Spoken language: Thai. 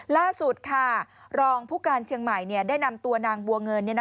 ล่าสุดค่ะรองผู้การเชียงใหม่ได้นำตัวนางบัวเงิน